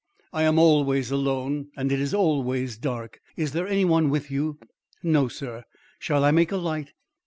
"I am always alone, and it is always dark. Is there any one with you?" "No, sir. Shall I make a light?"